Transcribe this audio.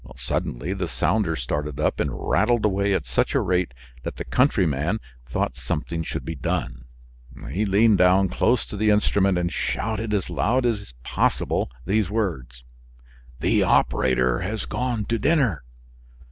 Suddenly the sounder started up and rattled away at such a rate that the countryman thought something should be done. He leaned down close to the instrument and shouted as loudly as possible these words: "The operator has gone to dinner."